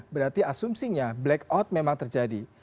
berarti asumsinya blackout memang terjadi